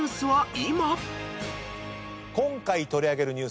今回取り上げるニュース